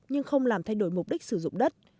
nhưng không làm thay đổi mục đích sử dụng đất